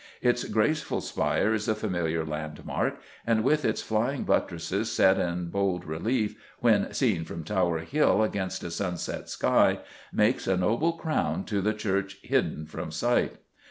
Its graceful spire is a familiar landmark, and, with its flying buttresses set in bold relief when seen from Tower Hill against a sunset sky, makes a noble crown to the church hidden from sight.